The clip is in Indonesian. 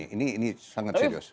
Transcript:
ini sangat serius